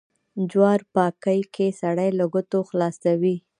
جوار پاکي کې سړی له گوتو خلاصوي.